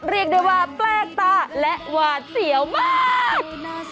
เรียกได้ว่าแปลกตาและหวาดเสียวมาก